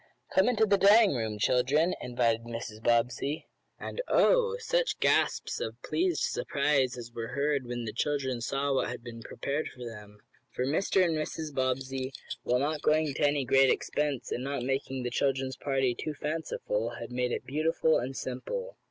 "Come into the dining room, children," invited Mrs. Bobbsey. And Oh! such gasps of pleased surprise as were heard when the children saw what had been prepared for them! For Mr. and Mrs. Bobbsey, while not going to any great expense, and not making the children's party too fanciful, had made it beautiful and simple.